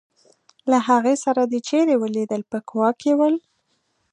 له هغې سره دي چېرې ولیدل په کوا کې ول.